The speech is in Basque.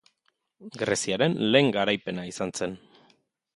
Greziaren lehen garaipena izan zen.